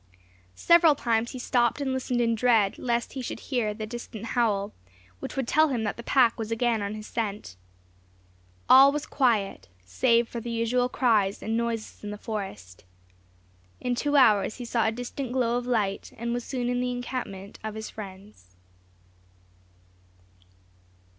Several times he stopped and listened in dread lest he should hear the distant howl, which would tell him that the pack was again on his scent. All was quiet, save for the usual cries and noises in the forest. In two hours he saw a distant glow of light, and was soon in the encampment of his friends.